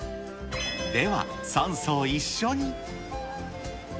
では、３層一緒に。